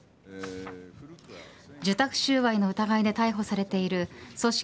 受託収賄の疑いで逮捕されている組織